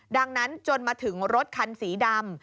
ดังนั้นจนมาถึงรถคันสีดำ